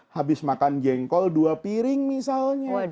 habis makan jengkol dua piring misalnya